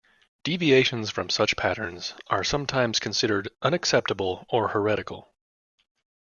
Deviations from such patterns are sometimes considered unacceptable or heretical.